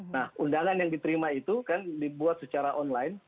nah undangan yang diterima itu kan dibuat secara online